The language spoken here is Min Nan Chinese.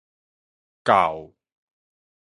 到